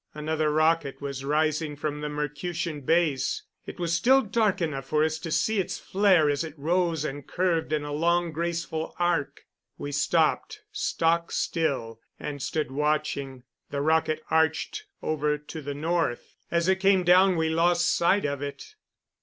Another rocket was rising from the Mercutian base. It was still dark enough for us to see its flare as it rose and curved in a long, graceful arc. We stopped stock still and stood watching. The rocket arched over to the north. As it came down we lost sight of it.